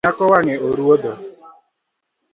Nyako wang’e oruodho